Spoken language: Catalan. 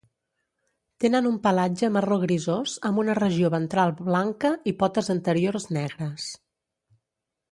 Tenen un pelatge marró grisós amb una regió ventral blanca i potes anteriors negres.